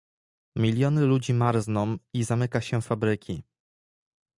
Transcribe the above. Miliony ludzi marzną i zamyka się fabryki